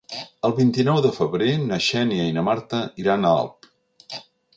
El vint-i-nou de febrer na Xènia i na Marta iran a Alp.